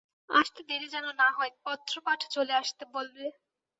আসতে দেরী যেন না হয়, পত্রপাঠ চলে আসতে বলবে।